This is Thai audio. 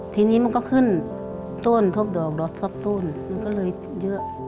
ทีนี้มันก็ขึ้นต้นทบดอกดอตซอบต้นมันก็เลยเยอะ